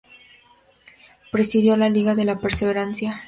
Presidió la Liga de la Perseverancia.